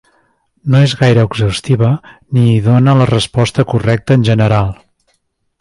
No és gaire exhaustiva ni hi dóna la resposta correcta en general.